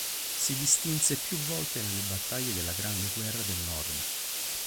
Si distinse più volte nelle battaglie della Grande guerra del nord.